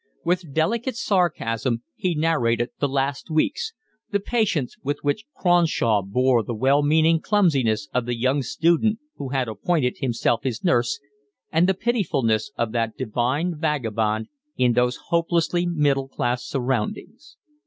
With delicate sarcasm he narrated the last weeks, the patience with which Cronshaw bore the well meaning clumsiness of the young student who had appointed himself his nurse, and the pitifulness of that divine vagabond in those hopelessly middle class surroundings.